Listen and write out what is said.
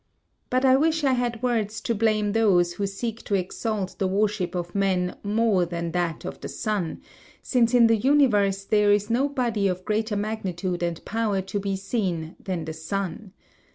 But I wish I had words to blame those who seek to exalt the worship of men more than that of the sun, since in the universe there is no body of greater magnitude and power to be seen than the sun.